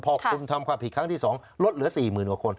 พอคุณทำความผิดครั้งที่๒ลดเหลือ๔๐๐๐กว่าคน